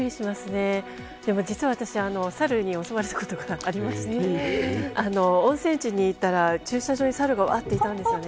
私じつはサルに襲われたことがありまして温泉地に行ったら駐車場にサルがいたんですよね。